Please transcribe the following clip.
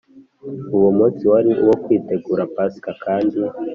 Uwo munsi wari uwo kwitegura Pasika kandi